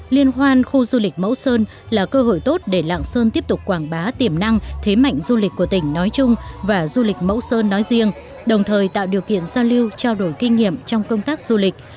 liên hoan khu du lịch mẫu sơn là cơ hội tốt để lạng sơn tiếp tục quảng bá tiềm năng thế mạnh du lịch của tỉnh nói chung và du lịch mẫu sơn nói riêng đồng thời tạo điều kiện giao lưu trao đổi kinh nghiệm trong công tác du lịch